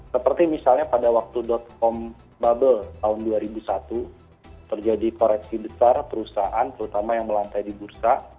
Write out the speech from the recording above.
seperti misalnya pada waktu com bubble tahun dua ribu satu terjadi koreksi besar perusahaan terutama yang melantai di bursa